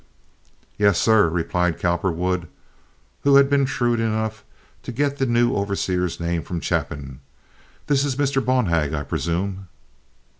"Yes, sir," replied Cowperwood, who had been shrewd enough to get the new overseer's name from Chapin; "this is Mr. Bonhag, I presume?"